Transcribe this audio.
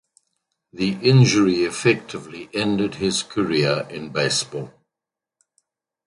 The injury effectively ended his career in baseball.